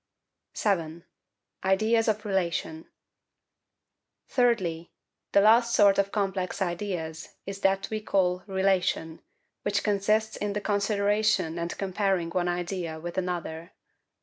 7. Ideas of Relation. Thirdly, the last sort of complex ideas is that we call RELATION, which consists in the consideration and comparing one idea with another.